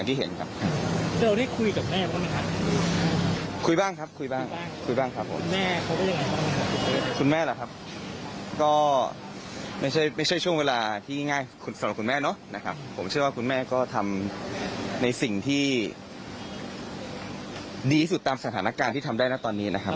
ในสิ่งที่ดีสุดตามสถานการณ์ที่ทำได้ณตอนนี้นะครับ